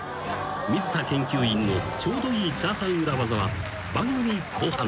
［水田研究員のちょうどいいチャーハン裏技は番組後半で］